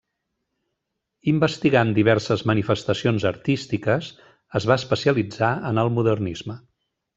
Investigant diverses manifestacions artístiques es va especialitzar en el modernisme.